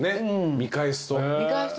見返すとね。